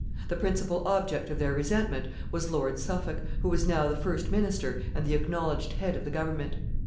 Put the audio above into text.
The principal object of their resentment was Lord Suffolk, who was now the first minister and the acknowledged head of the government.